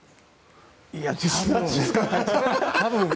いや、多分。